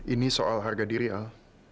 ini soal harga diri al